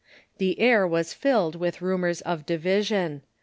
The air was filled with rumors of di vision.